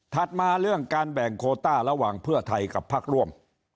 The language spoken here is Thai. มาเรื่องการแบ่งโคต้าระหว่างเพื่อไทยกับพักร่วม